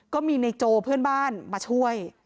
ก็มีในโจเพื่อนบ้านมาช่วย